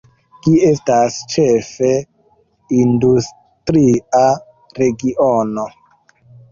Gi estas ĉefe industria regiono.